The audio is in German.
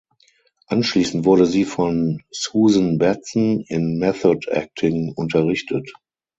Anschließend wurde sie von Susan Batson in Method Acting unterrichtet.